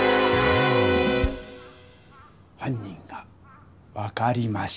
はん人が分かりました。